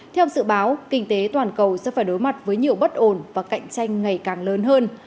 theo dự báo kinh tế toàn cầu sẽ phải đối mặt với nhiều bất ổn và cạnh tranh ngày càng lớn hơn